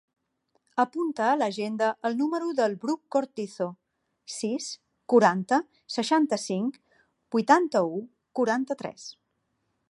Apunta a l'agenda el número del Bruc Cortizo: sis, quaranta, seixanta-cinc, vuitanta-u, quaranta-tres.